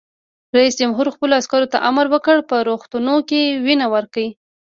رئیس جمهور خپلو عسکرو ته امر وکړ؛ په روغتونونو کې وینه ورکړئ!